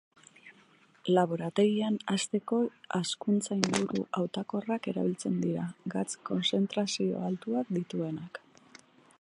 Laborategian hazteko hazkuntza-inguru hautakorrak erabiltzen dira, gatz kontzentrazio altuak dituztenak.